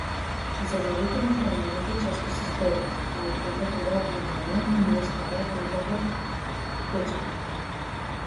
Дизајните на ткаенините често се здодевни, не привлекуваат внимание, и не оставаат никаков впечаток.